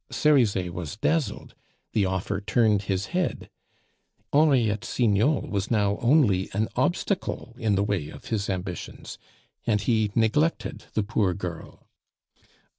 Cerizet was dazzled, the offer turned his head; Henriette Signol was now only an obstacle in the way of his ambitions, and he neglected the poor girl.